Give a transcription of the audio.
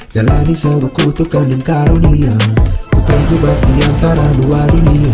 jalani sewuku tukang dan karunia ku terjebak di antara dua dunia